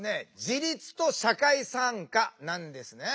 自立と社会参加なんですね。